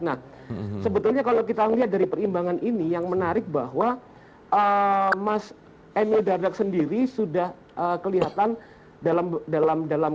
nah sebetulnya kalau kita lihat dari perimbangan ini yang menarik bahwa mas emil dardak sendiri sudah kelihatan dalam